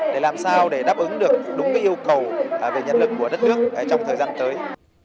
để làm sao để đáp ứng được đúng yêu cầu về nhân lực của đất nước trong thời gian tới